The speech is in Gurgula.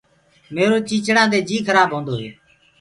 ميرو چيچڙآندي جي کرآب هوندو هي۔